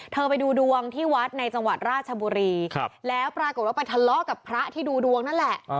ไปดูดวงที่วัดในจังหวัดราชบุรีแล้วปรากฏว่าไปทะเลาะกับพระที่ดูดวงนั่นแหละ